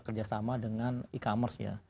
kerjasama dengan e commerce ya